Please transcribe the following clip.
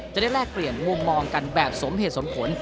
แลกเปลี่ยนมุมมองกันแบบสมเหตุสมผล